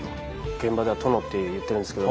現場では「殿」って言ってるんですけど